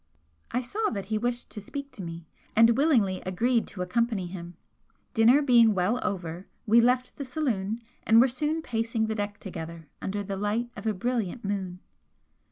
I saw that he wished to speak to me, and willingly agreed to accompany him. Dinner being well over, we left the saloon, and were soon pacing the deck together under the light of a brilliant moon.